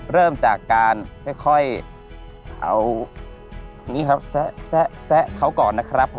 เริ่มจากการค่อยเอานี่ครับแซะเขาก่อนนะครับผม